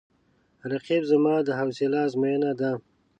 رقیب زما د حوصله آزموینه ده